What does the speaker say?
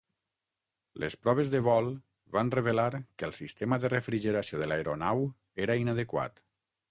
Les proves de vol van revelar que el sistema de refrigeració de l'aeronau era inadequat.